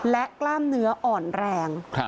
และกล้ามเนื้ออ่อนแรง